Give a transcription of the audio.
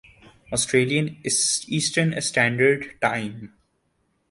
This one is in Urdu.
Australian eastern standard time